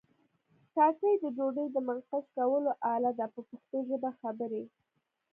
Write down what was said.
ټاټې د ډوډۍ د منقش کولو آله ده په پښتو ژبه خبرې.